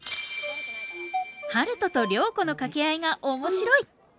春風と涼子の掛け合いが面白い！